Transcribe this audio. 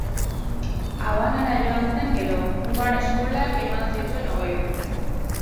Habanara joan zen gero; Kuban eskolak eman zituen hogei urtez.